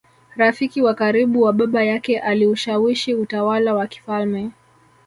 rafiki wa karibu wa Baba yake Aliushawishi utawala wa kifalme